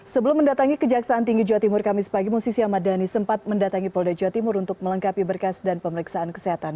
sebelum mendatangi kejaksaan tinggi jawa timur kamis pagi musisi ahmad dhani sempat mendatangi polda jawa timur untuk melengkapi berkas dan pemeriksaan kesehatan